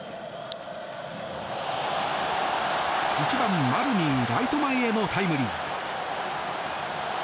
１番、丸にライト前へのタイムリー。